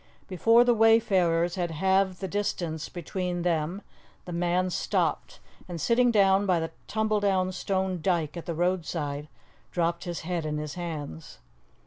Before the wayfarers had halved the distance between them the man stopped, and sitting down by the tumbledown stone dyke at the roadside, dropped his head in his hands.